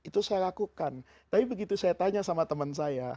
tapi begitu saya tanya sama temen saya